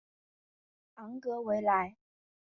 昂格维莱。